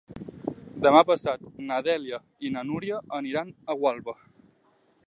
Demà passat na Dèlia i na Núria aniran a Gualba.